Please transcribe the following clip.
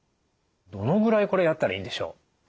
どのぐらいこれやったらいいんでしょう？